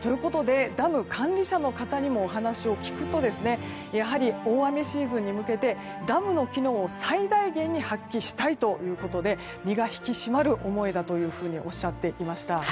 ダム管理者の方にもお話を聞くと大雨シーズンに向けダムの機能を最大限に発揮したいということで身が引き締まる思いだとおっしゃっていました。